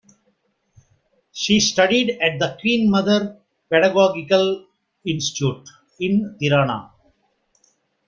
She studied at the Queen Mother Pedagogical Institute in Tirana.